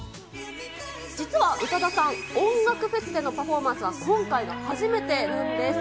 実は宇多田さん、音楽フェスでのパフォーマンスは今回が初めてなんです。